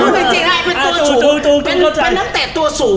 ไม่ได้เลื่อนสตรักตาเฉยมันตั้งแต่ตัวสูง